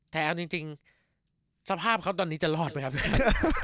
เอาจริงสภาพเขาตอนนี้จะรอดไหมครับพี่แพทย์